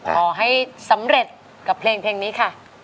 ขอให้สำเร็จกับเพลงนี้ค่ะ